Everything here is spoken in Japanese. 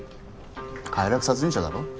快楽殺人者だろ。